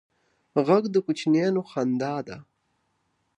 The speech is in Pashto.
غږ د کوچنیانو خندا ده